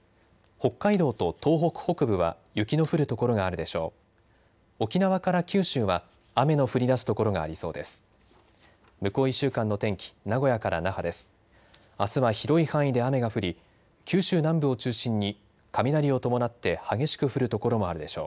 北海道と東北北部は雪の降る所があるでしょう。